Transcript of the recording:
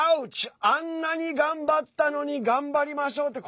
あんなに頑張ったのに「がんばりましょう」って！